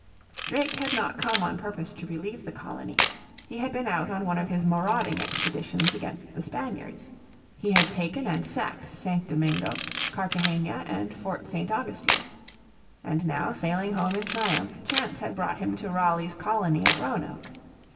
Drake had not come on purpose to relieve the colony. He had been out on one of his marauding expeditions against the Spaniards. He had taken and sacked St. Domingo, Cartagena, and Fort St. Augustine. And now, sailing home in triumph, chance had brought him to Raleigh's colony at Roanoke.